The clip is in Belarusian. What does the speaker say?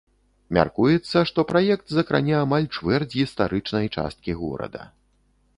Мяркуецца, што праект закране амаль чвэрць гістарычнай часткі горада.